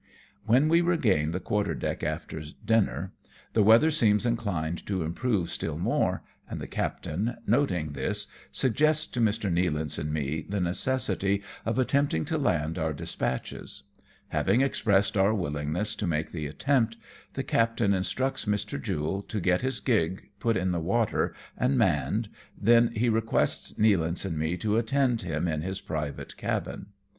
When we regain the quarter deck after dinner, the weather seems inclined to improve still more, and the captain, rioting this, suggests to Mr. Nealance and me the necessity of attempting to land our dispatches Having expressed our willingness to make the attempt, the captain instructs Mr. Jule to get his gig put in the water, and manned, then he requests Nealance and me to attend him in his private cabin.